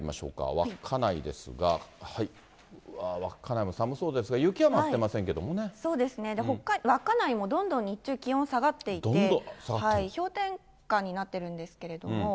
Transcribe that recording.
稚内ですが、わー、稚内も寒そうですが、そうですね、稚内もどんどん日中気温下がっていて、氷点下になってるんですけど。